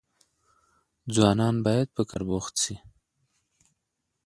ځوانان بايد په کار بوخت سي.